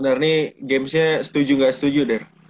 bener ini game nya setuju gak setuju der